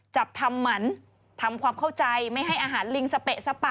จับทำหมันทำความเข้าใจไม่ให้อาหารลิงสเปะสปะ